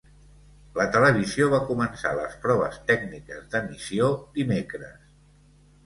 La televisió va començar les proves tècniques d’emissió dimecres.